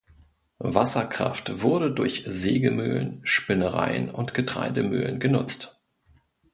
Wasserkraft wurde durch Sägemühlen, Spinnereien und Getreidemühlen genutzt.